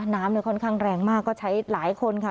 น้ำค่อนข้างแรงมากก็ใช้หลายคนค่ะ